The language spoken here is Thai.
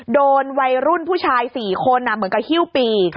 โดนวัยรุ่นผู้ชาย๔คนเหมือนกับฮิ้วปีก